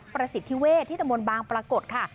ประสิทธิเวศที่ตะมนต์บางปรากฏค่ะ